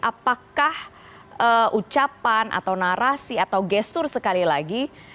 apakah ucapan atau narasi atau gestur sekali lagi